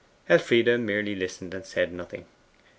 Elfride merely listened and said nothing.